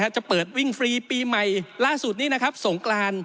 จะเปิดวิ่งฟรีปีใหม่ล่าสุดนี้นะครับสงกราน